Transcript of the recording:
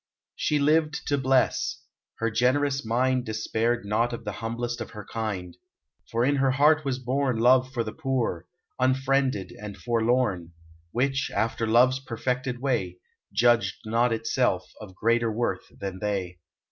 She lived to bless : her generous mind Despaired not of the humblest of her kind ; For in her heart was born Love for the poor, unfriended, and forlorn, Which, after love's perfected way, Judged not itself of greater worth than they.